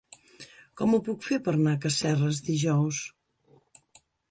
Com ho puc fer per anar a Casserres dijous?